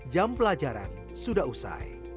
jam pelajaran sudah usai